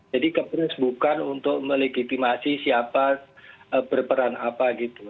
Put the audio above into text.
kepres bukan untuk melegitimasi siapa berperan apa gitu